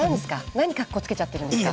何かっこつけちゃってるんですか。